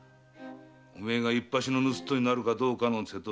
おめえがいっぱしの盗人になるかどうかの瀬戸際だ。